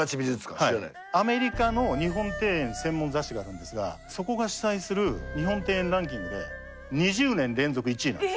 アメリカの日本庭園専門雑誌があるんですがそこが主催する日本庭園ランキングで２０年連続１位なんです。